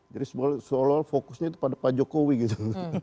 jadi seolah olah fokusnya pada pak jokowi gitu